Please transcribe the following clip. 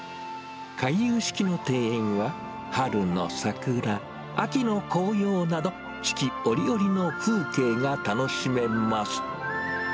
回遊式の庭園は、春の桜、秋の紅葉など、四季折々の風景が楽しめます。